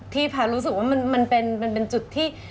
พารู้สึกว่ามันเป็นจุดที่